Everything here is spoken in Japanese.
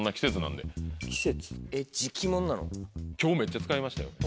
今日めっちゃ使いましたよ。